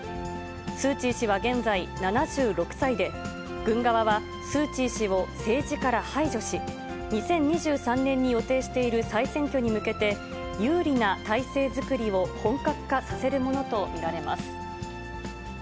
スーチー氏は現在７６歳で、軍側はスー・チー氏を政治から排除し、２０２３年に予定している再選挙に向けて、有利な体制作りを本格化させるものと見られます。